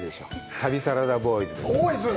旅サラダボーイズです。